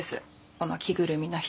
この着ぐるみの人。